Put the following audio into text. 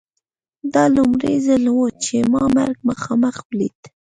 دا لومړی ځل و چې ما مرګ مخامخ ولید